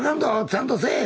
ちゃんとせい。